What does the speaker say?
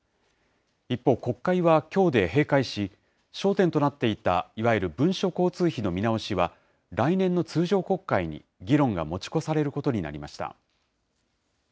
一方、国会はきょうで閉会し、焦点となっていたいわゆる文書交通費の見直しは、来年の通常国会に議論が持ち越されることになりました。